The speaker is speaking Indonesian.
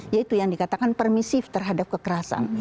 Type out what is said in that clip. yaitu yang dikatakan permisif terhadap kekerasan